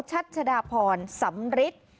ชัชดาพรสำฤิษฐ์